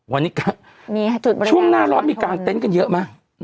วันนี้ก็มีค่ะช่วงหน้าร้อนมีกางเต็นต์กันเยอะไหม